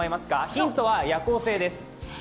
ヒントは夜行性です。